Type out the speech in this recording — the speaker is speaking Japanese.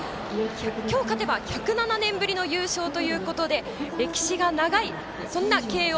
今日、勝てば１０７年ぶりの優勝ということで歴史が長い、そんな慶応。